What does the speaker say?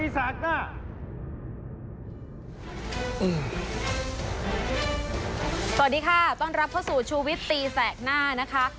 สวัสดีค่ะต้อนรับเข้าสู่ชูวิตตีแสกหน้านะคะ